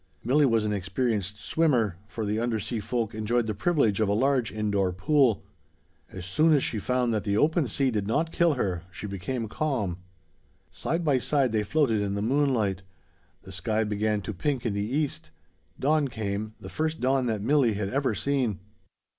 Milli was an experienced swimmer, for the undersea folk enjoyed the privilege of a large indoor pool. As soon as she found that the open sea did not kill her, she became calm. Side by side they floated in the moonlight. The sky began to pink in the east. Dawn came, the first dawn that Milli had ever seen.